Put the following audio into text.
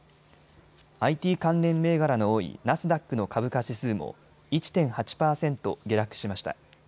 ＩＴ関連銘柄の多いナスダックの株価指数も１．８％、下落しました。